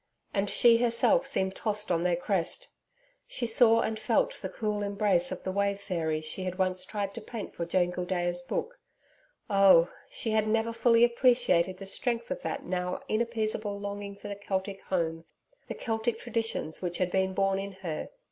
And she herself seemed tossed on their crest... she saw and felt the cool embrace of the wave fairies she had once tried to paint for Joan Gildea's book.... Oh! she had never fully appreciated the strength of that now inappeasable longing for the Celtic home, the Celtic traditions which had been born in her.